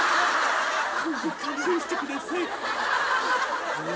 これで勘弁してください。